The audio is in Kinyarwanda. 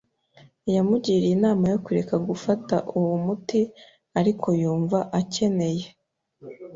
Yamugiriye inama yo kureka gufata uwo muti, ariko yumva akeneye.